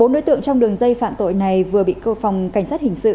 bốn đối tượng trong đường dây phạm tội này vừa bị cơ phòng cảnh sát hình sự